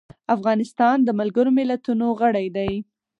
افغانستان د ملګرو ملتونو غړی دی.